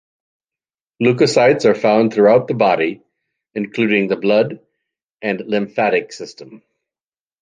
Leukocytes are found throughout the body, including the blood and lymphatic system.